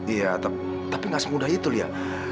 iya tapi gak semudah itu dia